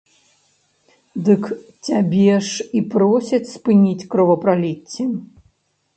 Дык цябе ж і просяць спыніць кровапраліцце!